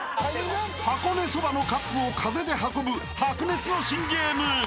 ［箱根そばのカップを風で運ぶ白熱の新ゲーム］